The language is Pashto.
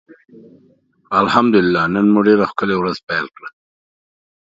الحمدالله نن مو ډيره ښکلي ورځ پېل کړه.